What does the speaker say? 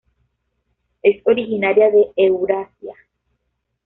Es originaria de Eurasia.